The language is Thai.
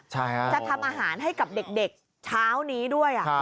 จะทำอาหารให้กับเด็กช้าวนี้ด้วย